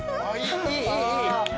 いいいい！